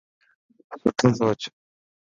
سٺو سوچ.